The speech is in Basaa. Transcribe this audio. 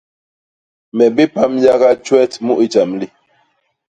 Me bipam yaga tjwet mu i jam li.